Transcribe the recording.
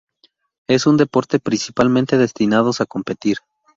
Es un deporte principalmente destinados a competir.